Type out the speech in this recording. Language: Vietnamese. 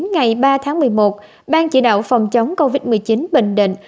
ngày ba tháng một mươi một ban chỉ đạo phòng chống covid một mươi chín bình định